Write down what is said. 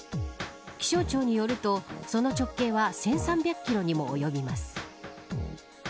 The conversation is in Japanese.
気象庁によると、その直径は１３００キロにも及びます。